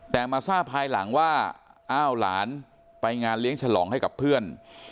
แต่มาทราบภายหลังว่าอ้าวหลานไปงานเลี้ยงฉลองให้กับเพื่อน